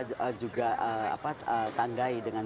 juga tanggai dengan